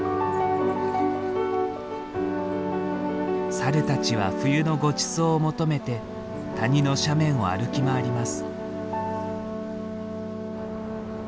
サルたちは冬のごちそうを求めて谷の斜面を歩き回ります。